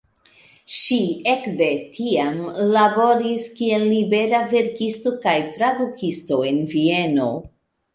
Ŝi ekde tiam laboris kiel libera verkisto kaj tradukisto en Vieno.